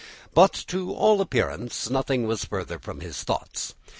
But, to all appearance, nothing was farther from his thoughts.